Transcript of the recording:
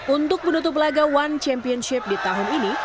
untuk menutup laga one championship di tahun ini